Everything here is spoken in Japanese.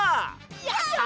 やった！